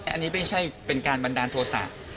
อันนี้ไม่ใช่เป็นการบันดาลโทษะ